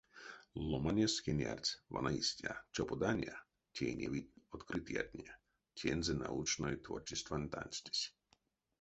Ломанесь кенярдсь: вана истя, чоподане, тейневить открытиятне, теньсэ научной творчествань танстесь.